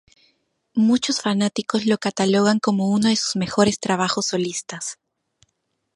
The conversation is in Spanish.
Muchos fanáticos lo catalogan como uno de sus mejores trabajos solistas.